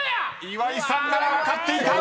［岩井さんなら分かっていた］